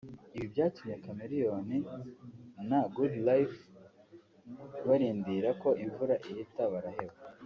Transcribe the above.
Ibi byatumye Chameleone na Good Lyfe barindira ko imvura ihita baraheba